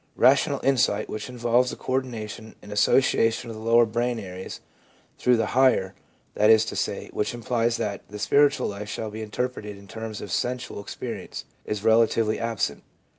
Rational insight, which involves the co ordination and association of the lower brain areas through the higher — that is to say, which implies that the spiritual life shall be interpreted in terms of sensuous experience — is relatively absent.